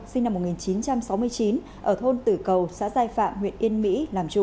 sinh năm một nghìn chín trăm sáu mươi chín ở thôn tử cầu xã giai phạm huyện yên mỹ làm chủ